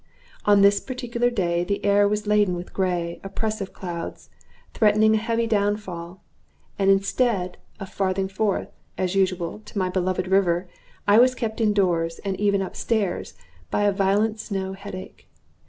On this particular day the air was laden with gray, oppressive clouds, threatening a heavy downfall, and instead of faring forth, as usual, to my beloved river, I was kept in doors, and even up stairs, by a violent snow headache.